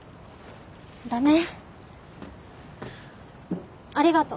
だね。ありがと。